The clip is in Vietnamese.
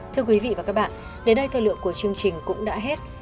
thưa quý vị và các bạn đến đây thời lượng của chương trình cũng đã hết